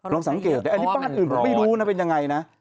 เราสังเกตอีกอันที่บ้านอื่นเราไม่รู้นะเป็นอย่างไรนะ